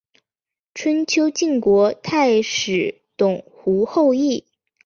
春秋晋国太史董狐后裔。